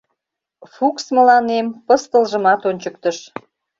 Фукс мыланем пыстылжымат ончыктыш.